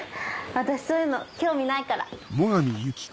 私そういうの興味ないから。